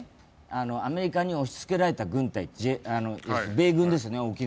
アメリカに押しつけられた軍隊、沖縄の米軍ですね。